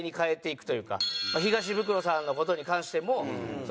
東ブクロさんの事に関してもそうですし。